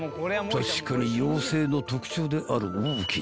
［確かに妖精の特徴である］